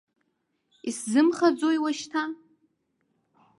Исзымхаӡои уашьҭа?!